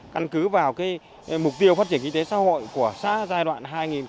căn cứ vào mục tiêu phát triển kinh tế xã hội của xã giai đoạn hai nghìn hai mươi một hai nghìn hai mươi năm